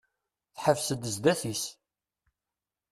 Teḥbes-d sdat-is.